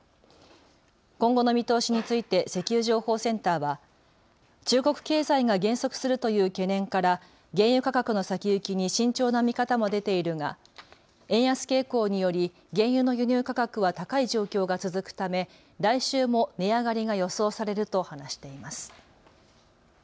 今後の見通しについて石油情報センターは中国経済が減速するという懸念から原油価格の先行きに慎重な見方も出ているが円安傾向により原油の輸入価格は高い状況が続くため来週も値上がりが予想されると話しています。